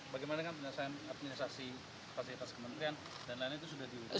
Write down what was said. bagaimana kan penyelesaian administrasi fasilitas kementerian dan lainnya itu sudah diuduhin